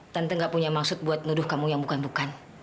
tante gak punya maksud buat nuduh kamu yang bukan bukan